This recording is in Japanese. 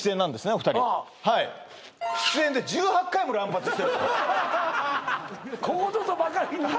お二人はい出演で１８回も乱発してるとここぞとばかりにな